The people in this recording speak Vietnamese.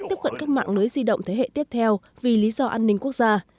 tiếp cận các mạng lưới di động thế hệ tiếp theo vì lý do an ninh quốc gia